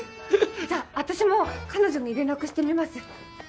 じゃあ私も彼女に連絡してみます。